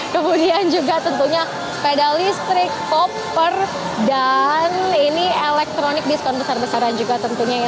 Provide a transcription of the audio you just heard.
kemudian juga tentunya sepeda listrik koper dan ini elektronik diskon besar besaran juga tentunya ya